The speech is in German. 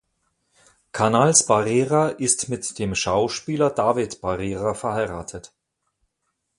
Canals-Barrera ist mit dem Schauspieler David Barrera verheiratet.